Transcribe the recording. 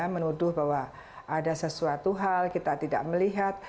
menuduh bahwa ada sesuatu hal kita tidak melihat